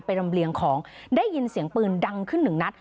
ลำเลียงของได้ยินเสียงปืนดังขึ้นหนึ่งนัด